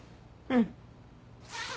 うん。